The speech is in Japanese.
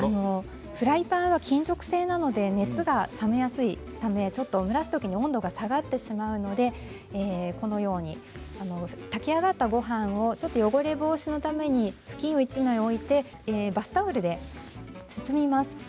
フライパンは金属製なので熱が冷めやすいためちょっと蒸らすときに温度が下がってしまうのでこのように炊き上がったごはんをちょっと汚れ防止のために布巾を１枚置いてバスタオルで包みます。